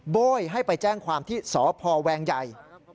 โบ้ยให้ไปแจ้งความที่สพแวงใหญ่